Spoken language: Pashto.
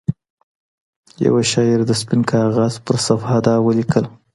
يوه شاعر د سپين كاغذ پر صفحه دا وليـكل